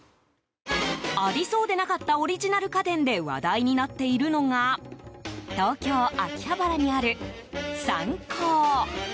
ありそうでなかったオリジナル家電で話題になっているのが東京・秋葉原にあるサンコー。